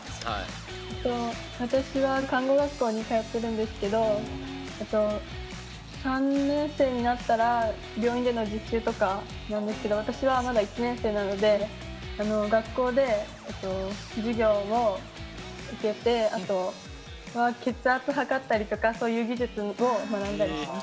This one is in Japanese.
私は看護学校に通ってるんですけど３年生になったら、病院での実習とかなんですけど私は、まだ１年生なので学校で授業を受けてあとは血圧はかったりとかそういう技術を学んだりしてます。